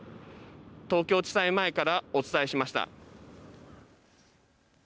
東京地裁前からお伝えしました。